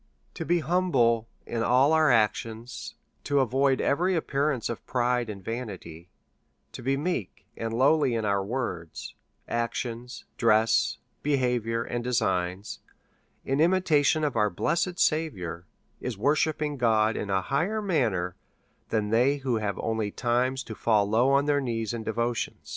To be humble in all our actions, to avoid every ap pearance of pride and vanity, to be meek and lowly in our words, actions, dress, behaviour, and designs, in imitation of our blessed Saviour; is worshipping God in a higher manner than they who have only time to fall low on their knees in devotion.